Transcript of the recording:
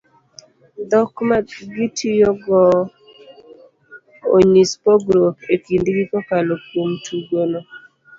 dhok magitiyogo onyis pogruok e kindgi kokalo kuom tugo no